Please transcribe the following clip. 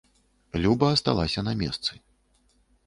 Люба асталася на месцы.